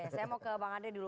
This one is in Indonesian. oke saya mau ke bang andre dulu